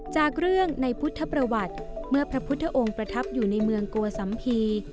จากเรื่องในพุทธประวัติเมื่อพระพุทธองค์ประทับอยู่ในเมืองโกสัมภีร์